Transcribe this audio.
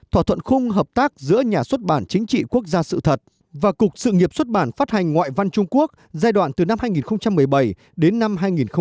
thỏa thuận khung hợp tác giữa nhà xuất bản chính trị quốc gia sự thật và cục sự nghiệp xuất bản phát hành ngoại văn trung quốc giai đoạn từ năm hai nghìn một mươi bảy đến năm hai nghìn một mươi bảy